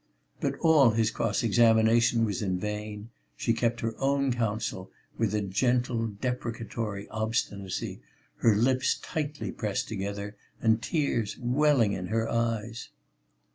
But all his cross examination was in vain. She kept her own counsel with a gentle, deprecatory obstinacy, her lips tightly pressed together and tears welling in her eyes.